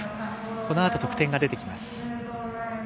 このあと得点が出てきます。